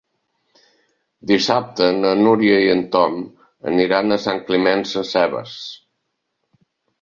Dissabte na Núria i en Tom aniran a Sant Climent Sescebes.